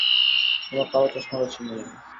তোমার কালো চশমাটা চিনি আমি।